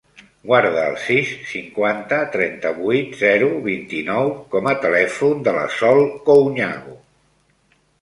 Guarda el sis, cinquanta, trenta-vuit, zero, vint-i-nou com a telèfon de la Sol Couñago.